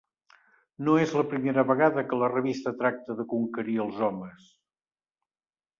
No és la primera vegada que la revista tracta de conquerir els homes.